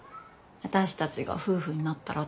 「私たちが夫婦になったら」